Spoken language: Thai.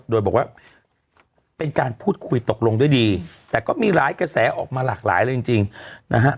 โดยบอกว่าเป็นการพูดคุยตกลงด้วยดีแต่ก็มีหลายกระแสออกมาหลากหลายเลยจริงนะฮะ